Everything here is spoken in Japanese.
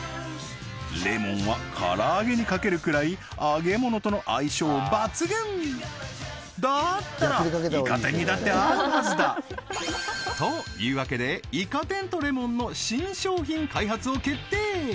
レモンは唐揚げにかけるくらい揚げ物との相性バツグンだったらイカ天にだって合うはずだというわけでイカ天とレモンの新商品開発を決定！